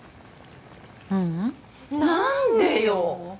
ううん何でよ！